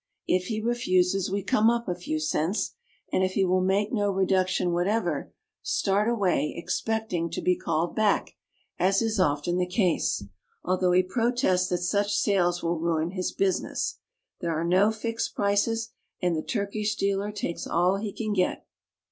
If he refuses we come up a few cents, and if he will make no reduction whatever, start away expecting to be called back, as is often the case, although he protests that such sales will ruin his business. There are no fixed prices, and the Turkish dealer takes all he can get.